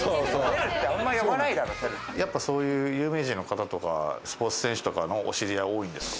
そういう有名人の方とか、スポーツ選手とかのお知り合い多いんですか？